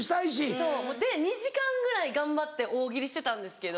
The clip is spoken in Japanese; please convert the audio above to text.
そうで２時間ぐらい頑張って大喜利してたんですけど。